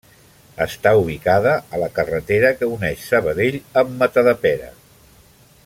Està ubicada a la carretera que uneix Sabadell amb Matadepera.